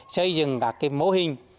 xây dựng các mô hình